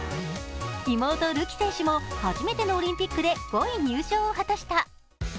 妹・るき選手も初めてのオリンピックで５位入賞を果たした。